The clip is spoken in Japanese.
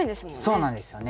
そうなんですよね。